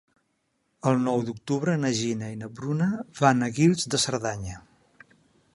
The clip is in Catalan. El nou d'octubre na Gina i na Bruna van a Guils de Cerdanya.